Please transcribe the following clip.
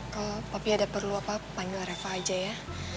kalau papi ada perlu apa panggil reva aja ya